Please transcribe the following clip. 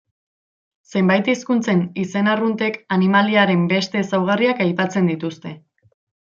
Zenbait hizkuntzen izen arruntek animaliaren beste ezaugarriak aipatzen dituzte.